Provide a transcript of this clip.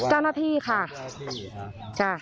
เจ้าหน้าที่ค่ะ